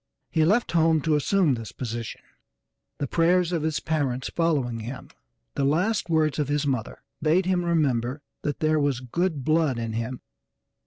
He left home to assume this position, the prayers of his parents following him. The last words of his mother bade him remember that there was good blood in him.